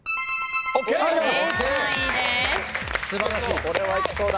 これはいきそうだな。